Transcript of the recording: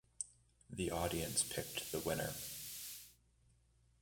The audience picked the winner.